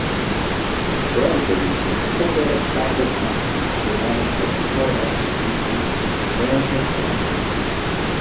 Bredesen is a supporter of capital punishment, presiding over four executions during his tenure.